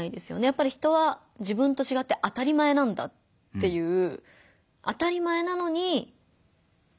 やっぱり人は自分とちがって当たり前なんだっていう当たり前なのにちがうな。